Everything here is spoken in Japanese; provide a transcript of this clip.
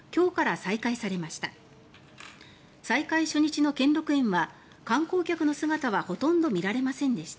再開初日の兼六園は観光客の姿はほとんど見られませんでした。